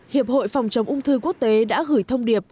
hiệp hội phòng chống ung thư quốc tế đã gửi thông điệp